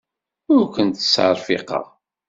Ur kent-ttserfiqeɣ.